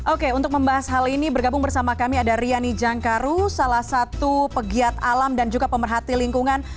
oke untuk membahas hal ini bergabung bersama kami ada riani jangkaru salah satu pegiat alam dan juga pemerhati lingkungan